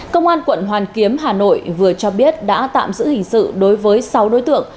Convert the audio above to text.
công an quận hoàn kiếm hà nội vừa cho biết đã tạm giữ hình sự đối với sáu đối tượng